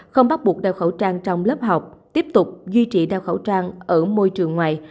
không bắt buộc đeo khẩu trang trong lớp học tiếp tục duy trì đeo khẩu trang ở môi trường ngoài